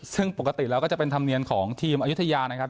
ซึ่งปกติแล้วก็จะเป็นธรรมเนียมของทีมอายุทยานะครับ